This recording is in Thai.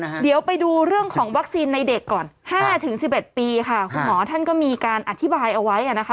ดังนั้นเดี๋ยวไปดูเรื่องของวัคซีนในเด็กก่อน๕๑๑ปีค่ะคุณหมอท่านก็มีการอธิบายเอาไว้นะคะ